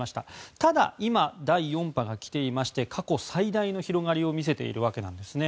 ただ今、第４波が来ていまして過去最大の広がりを見せているわけなんですね。